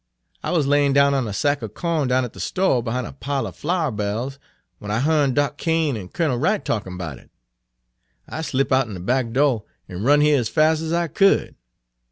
I wuz layin' down on a sack er corn down at de sto', behine a pile er flourbairls, w'en I hearn Doc' Cain en Kunnel Wright talkin' erbout it. I slip' outen de back do', en run here as fas' as I could.